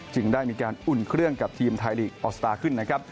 ได้มีการอุ่นเครื่องกับทีมไทยลีกออสตาร์ขึ้นนะครับ